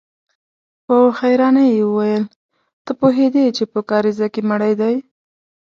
په حيرانۍ يې وويل: ته پوهېدې چې په کاريزه کې مړی دی؟